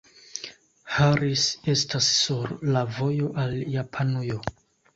Harris estas sur la vojo al Japanujo.